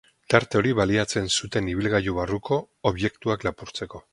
Tarte hori baliatzen zuten ibilgailu barruko objektuak lapurtzeko.